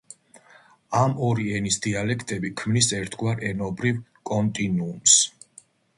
ამ ორი ენის დიალექტები ქმნის ერთგვარ ენობრივ კონტინუუმს.